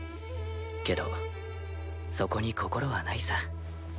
けどそこに心はないさ。